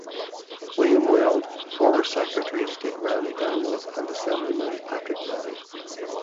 William Weld, former Secretary of State Randy Daniels, and Assemblyman Patrick Manning.